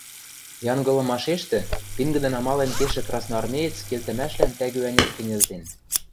Янгылымашештӹ пингӹдӹн амален кешӹ красноармеец келтӹмӓшвлӓм тӓгӱ-ӓнят кӹньӹлтен...